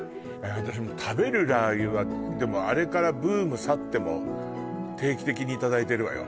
私もう食べるラー油はでもあれからブーム去っても定期的にいただいてるわよ